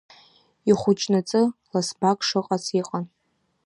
Ихәыҷнаҵы ласбак шыҟац иҟан…